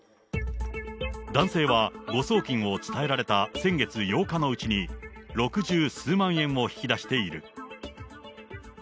男性は誤送金を伝えられた先月８日のうちに、六十数万円を引き出している。